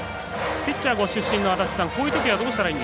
ピッチャーご出身の足達さん